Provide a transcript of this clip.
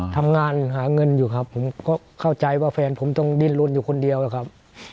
ทำงานหาเงินอยู่ครับผมก็เข้าใจว่าแฟนผมต้องดิ้นลนอยู่คนเดียวนะครับ